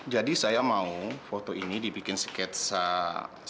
jadi saya mau foto ini dibikin sikit se semi caricature